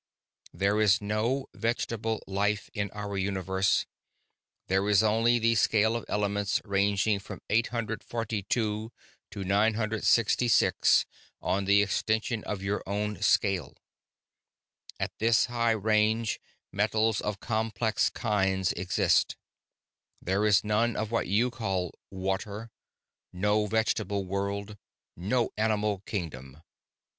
"There is no vegetable life in our universe. There is only the scale of elements ranging from 842 to 966 on the extension of your own scale. At this high range, metals of complex kinds exist. There is none of what you call water, no vegetable world, no animal kingdom.